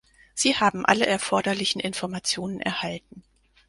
Sie haben alle erforderlichen Informationen erhalten.